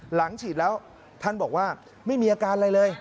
หลังฉีดแล้วท่านบอกว่าไม่มีอาการอะไรเลย